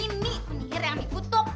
ini penyihir yang dikutuk